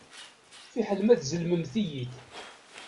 Fiḥel ma tzellmemt-iyi-d.